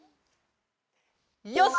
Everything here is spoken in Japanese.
よし！